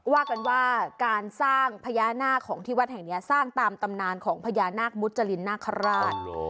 ว่ากันว่าการสร้างพญานาคของที่วัดแห่งนี้สร้างตามตำนานของพญานาคมุจรินนาคาราช